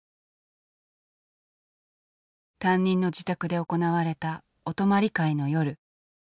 担任の自宅で行われたお泊まり会の夜。